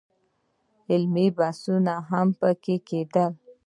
علمي بحثونه هم په کې کېدل.